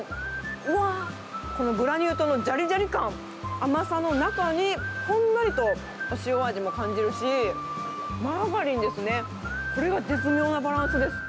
うわー、このグラニュー糖のじゃりじゃり感、甘さの中にほんのりと塩味も感じるし、マーガリンですね、これが絶妙なバランスです。